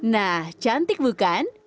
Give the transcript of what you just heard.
nah cantik bukan